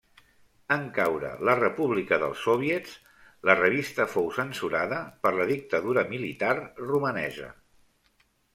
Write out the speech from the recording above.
En caure la república dels sòviets, la revista fou censurada per la dictadura militar romanesa.